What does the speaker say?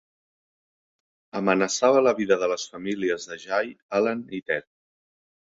Amenaçava la vida de les famílies de Jay, Alan i Ted.